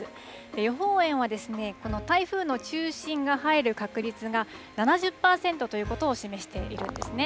予報円はこの台風の中心が入る確率が７０％ということを示しているんですね。